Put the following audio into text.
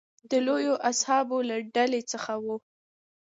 د لویو اصحابو له ډلې څخه و.